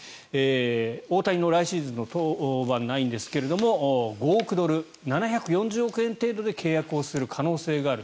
大谷の来シーズンの登板はないんですが５億ドル、７４０億円程度で契約する可能性がある。